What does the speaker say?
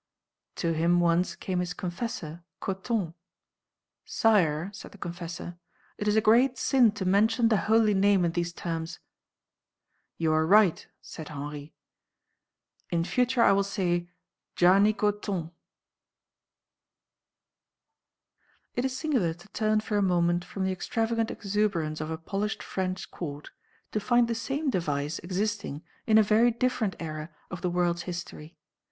To him once came his confessor, Coton. "Sire," said the confessor, "it is a great sin to mention the holy name in these terms." "You are right," said Henry, "in future I will say 'Jarnicoton.'" It is singular to turn for a moment from the extravagant exuberance of a polished French court to find the same device existing in a very different era of the world's history.